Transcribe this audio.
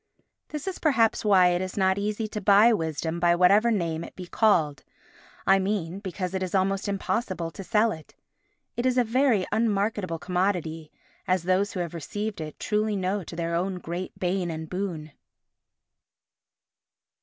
This is perhaps why it is not easy to buy Wisdom by whatever name it be called—I mean, because it is almost impossible to sell it. It is a very unmarketable commodity, as those who have received it truly know to their own great bane and boon.